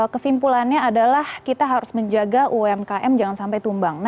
kesimpulannya adalah kita harus menjaga umkm jangan sampai tumbang